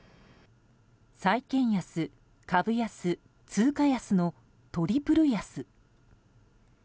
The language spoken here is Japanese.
債券安、株安、通貨安のトリプル安。